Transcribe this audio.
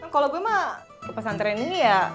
kalau gue mah ke pesantren ini ya